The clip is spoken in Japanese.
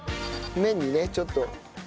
麺にねちょっと。